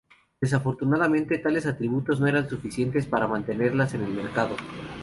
Desafortunadamente, tales atributos no eran suficientes para mantenerlas en el mercado.